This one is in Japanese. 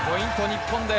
日本です。